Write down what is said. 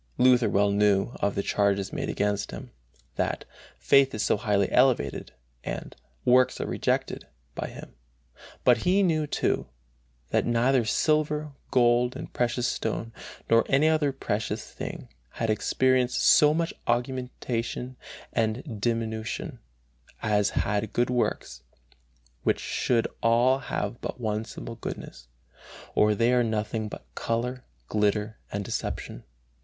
Luther well knew of the charges made against him that "faith is so highly elevated" and "works are rejected" by him; but he knew, too, that "neither silver, gold and precious stone, nor any other precious thing had experienced so much augmentation and diminution" as had good works "which should all have but one simple goodness, or they are nothing but color, glitter and deception."